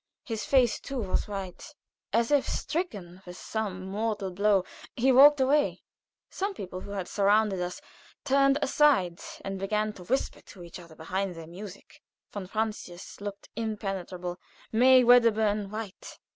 His face too was white. As if stricken with some mortal blow, he walked away. Some people who had surrounded us turned aside and began to whisper to each other behind their music. Von Francius looked impenetrable; May Wedderburn white.